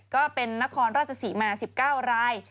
ก็เป็นนครราชศรีมา๑๙ราย